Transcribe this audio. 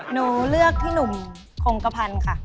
หนูเลือกพี่หนุ่มคงกระพันธ์ค่ะ